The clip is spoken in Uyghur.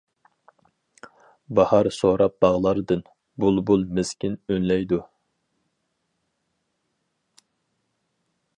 باھار سوراپ باغلاردىن، بۇلبۇل مىسكىن ئۈنلەيدۇ.